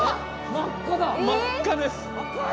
真っ赤です。